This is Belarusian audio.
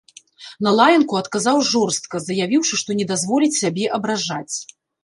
На лаянку адказаў жорстка, заявіўшы, што не дазволіць сябе абражаць.